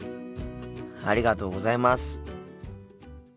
ありがとうございます。